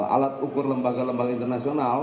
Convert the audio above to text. alat ukur lembaga lembaga internasional